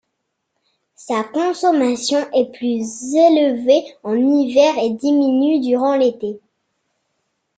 Sa consommation est plus élevée en hiver, et diminue durant l'été.